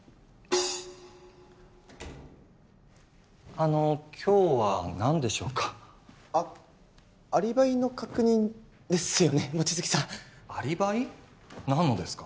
あの今日は何でしょうかあっアリバイの確認ですよね望月さんアリバイ？何のですか？